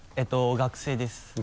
学生です。